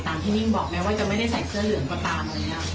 ตามที่นิ่มบอกนะว่าจะไม่ได้ใส่เสื้อเหลืองกว่าตาม